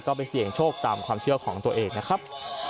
ก็ไปเสี่ยงโชคตามความเชื่อของตัวเองนะครับ